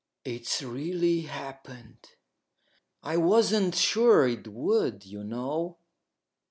"It's really happened. I wasn't sure it would, you know."